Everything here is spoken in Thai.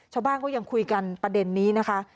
ชาวบ้านก็ยังคุยกันประเด็นนี้นะคะ